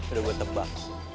udah gue tebak